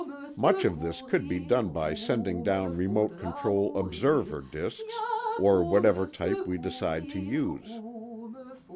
Mitch of this could be done by sending down remote control "observer" disks, or whatever type we decide to use.